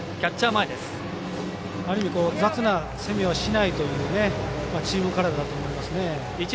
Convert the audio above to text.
ある意味雑な攻めをしないというチームカラーだと思いますね。